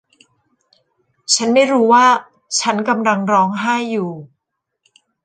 ฉันไม่รู้ว่าฉันกำลังร้องไห้อยู่